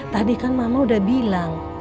tadi kan mama udah bilang